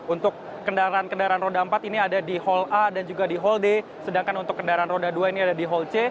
untuk kendaraan kendaraan roda empat ini ada di hall a dan juga di hall d sedangkan untuk kendaraan roda dua ini ada di hall c